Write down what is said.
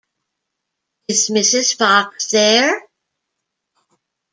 Is Mrs. Fox there?